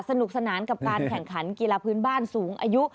สนุกสนานกับการแข่งขันกีฬาพื้นบ้านสูงอายุ